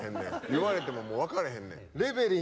言われても分からへんねん。